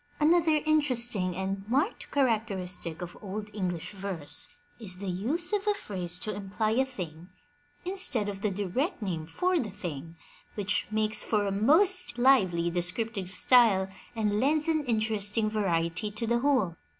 Another interesting and marked characteristic of Old EngUsh verse is the use of a phrase to imply a thing instead of the direct name for the thing, which makes for a most lively descriptive style and lends an interesting variety to the whole.